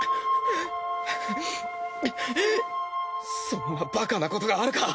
そんなバカなことがあるか！